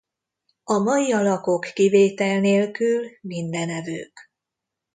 A mai alakok kivétel nélkül mindenevők.